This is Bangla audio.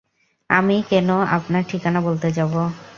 আমি কেনও আপনার ঠিকানা বলতে যাবো?